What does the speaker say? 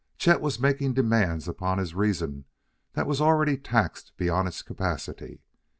Chet was making demands upon his reason that was already taxed beyond its capacity.